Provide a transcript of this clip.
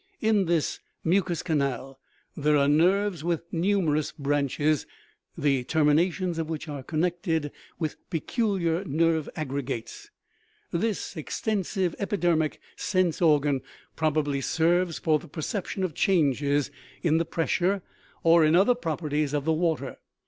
In this " mu cous canal " there are nerves with numerous branches, the terminations of which are connected with peculiar nerve aggregates. This extensive epidermic sense organ probably serves for the perception of changes in the pressure, or in other properties, of the water.